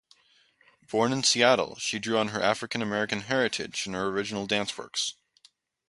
Born in Seattle, she drew on her African-American heritage in her original dance works.